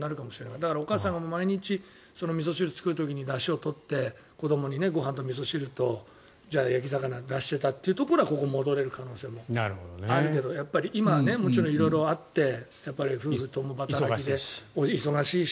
だからお母さんが毎日、みそ汁を作る時にだしを取って子どもにご飯とみそ汁と焼き魚を出していたというところはここに戻れる可能性もあるけど今、もちろん色々あって夫婦共働きで忙しいし。